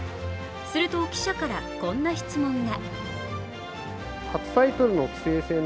すると、記者からこんな質問が。